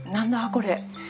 これ。